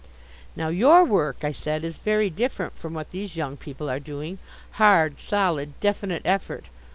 "Now your work," I said, "is very different from what these young people are doing hard, solid, definite effort.